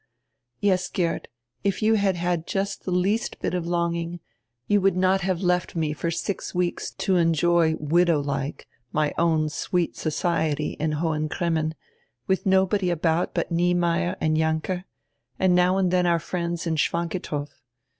"Yes, Geert, if you had had just die least bit of longing, you would not have left me for six weeks to enjoy widow like my own sweet society in Hohen Cremmen, with nobody about but Niemeyer and Jahnke, and now and dien our friends in Schwantikow.